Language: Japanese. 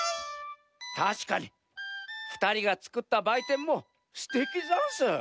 たしかにふたりがつくったばいてんもすてきざんす。